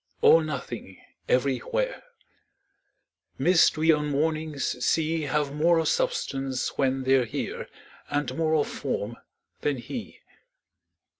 All nothing everywhere: Mists we on mornings see Have more of substance when they're here And more of form than he.